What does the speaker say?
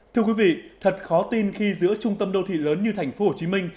thưa quý vị thật khó tin khi giữa trung tâm đô thị lớn như thành phố hồ chí minh